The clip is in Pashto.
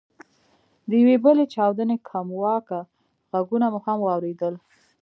د یوې بلې چاودنې کمواکه ږغونه مو هم واورېدل.